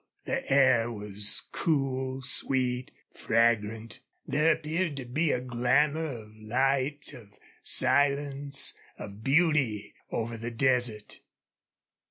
The air was cool, sweet, fragrant. There appeared to be a glamour of light, of silence, of beauty over the desert.